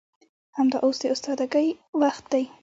همدا اوس د استادګۍ وخت دى.